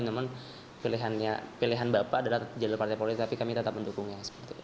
namun pilihan bapak adalah jalur partai politik tapi kami tetap mendukungnya